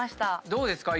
どうですか？